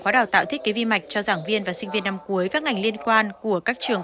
khóa đào tạo thiết kế vi mạch cho giảng viên và sinh viên năm cuối các ngành liên quan của các trường